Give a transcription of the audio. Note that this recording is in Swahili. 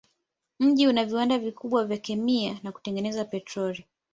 Mji una viwanda vikubwa vya kemia na kutengeneza petroli.